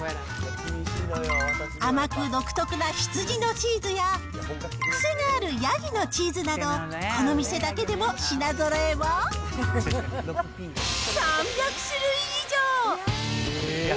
甘く独特な羊のチーズや、癖のあるヤギのチーズなど、この店だけでも品ぞろえは３００種類以上。